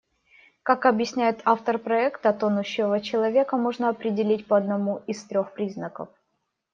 Как объясняет автор проекта, тонущего человека можно определить по одному из трёх признаков.